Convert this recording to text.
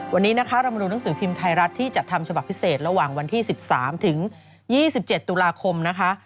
วันนี้นะคะเรามาดูหนังสือพิมพ์ไทยรัฐที่จัดทำฉบับพิเศษระหว่างวันที่๑๓ถึง๒๗ตุลาคมนะคะ